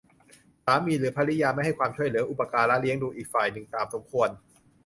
สามีหรือภริยาไม่ให้ความช่วยเหลืออุปการะเลี้ยงดูอีกฝ่ายหนึ่งตามสมควร